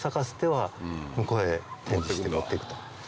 向こうへ展示して持って行くと。